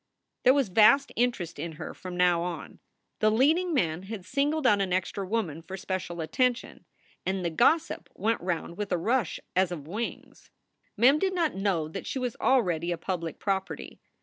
There was vast interest in her from now on. The leading man had singled out an extra woman for special attention, and the gossip went round with a rush as of wings. Mem did not know that she was already a public property.